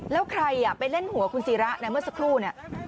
แล้วใครไปเล่นหัวคุณศิระนะเมื่อสักครู่เนี่ย